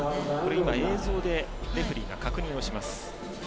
今、映像でレフェリーが確認します。